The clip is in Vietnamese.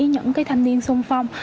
những thanh niên sung phong